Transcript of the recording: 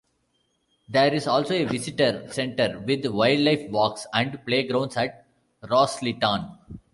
There is also a visitor centre with wildlife walks and playgrounds at Rosliston.